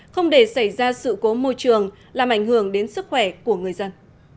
không để xảy ra sự cố môi trường làm ảnh hưởng đến sức khỏe của người dân